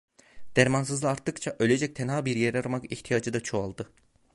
Dermansızlığı arttıkça, ölecek tenha bir yer aramak İhtiyacı da çoğaldı.